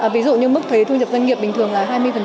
ví dụ như mức thuế thu nhập doanh nghiệp bình thường là hai mươi